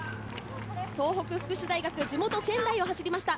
東北福祉大学、地元・仙台を走りました。